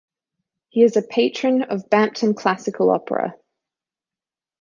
He is a Patron of Bampton Classical Opera.